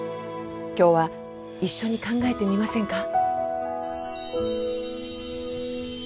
今日は一緒に考えてみませんか？